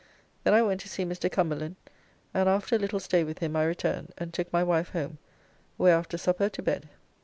Then I went to see Mr. Cumberland, and after a little stay with him I returned, and took my wife home, where after supper to bed.